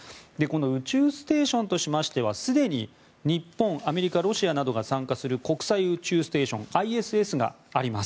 宇宙ステーションとしてはすでに日本、アメリカロシアなどが参加する国際宇宙ステーション・ＩＳＳがあります。